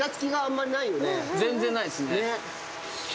全然ないですね。